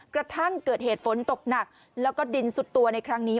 กระทั่งเกิดเหตุฝนตกหนักแล้วก็ดินสุดตัวในครั้งนี้